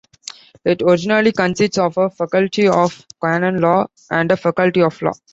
It originally consisted of a faculty of Canon Law and a faculty of Law.